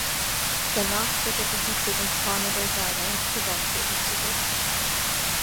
Danach zog er sich nach Desenzano del Garda ins Privatleben zurück.